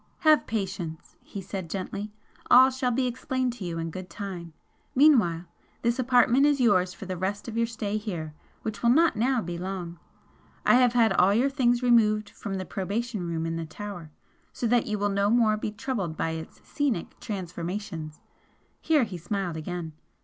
"Have patience!" he said, gently "All shall be explained to you in good time! Meanwhile this apartment is yours for the rest of your stay here, which will not now be long I have had all your things removed from the Probation room in the tower, so that you will no more be troubled by its scenic transformations!" Here he smiled again.